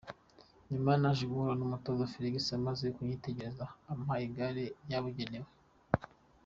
Nyuma naje guhura n’umutoza Felix amaze kunyitegereza ampa igare ryabugenewe.